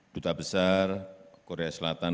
putra besar korea selatan